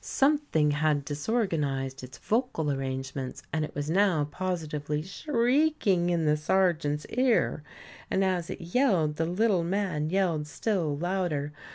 Something had disorganised its vocal arrangements, and it was now positively shrieking in the sergeant's ear, and, as it yelled, the little man yelled still louder.